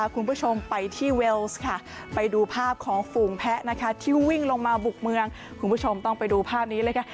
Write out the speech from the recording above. ของฝูงแพ้ที่วิ่งลงมาบุกเมืองคุณผู้ชมต้องไปดูภาคนี้เลย